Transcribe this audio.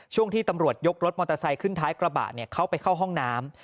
ช่วงที่ตำรวจยกรถมอเตอร์ไซค์ขึ้นท้ายกระบะเข้าไปเข้าห้องน้ำ